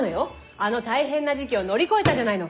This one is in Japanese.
あの大変な時期を乗り越えたじゃないの！